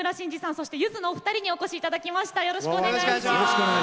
そして、ゆずのお二人にお越しいただきました。